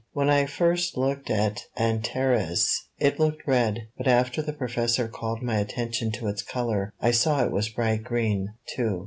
When I first looked at Antares, it looked red, but after the professor called my attention to its color, I saw it was bright green, too.